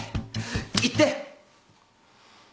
行って。